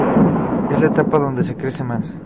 Es la etapa donde se crece más.